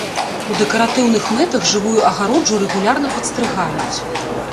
У дэкаратыўных мэтах жывую агароджу рэгулярна падстрыгаюць.